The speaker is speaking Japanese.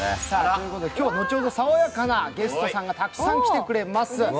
今日後ほど、爽やかなゲストさんがたくさん来てくれます。